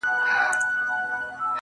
وي دردونه په سيــــنـــــوكـــــــــي.